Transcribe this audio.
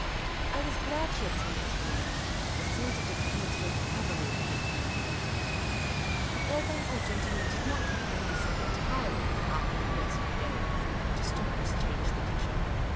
I was glad she had something to do ; the sense of dependence weighed heavily upon her. 164 Miss Cayley's Adventures The Urbane Old Gentleman did not confine himself en tirely, after the first few days, to Stock Exchange literature.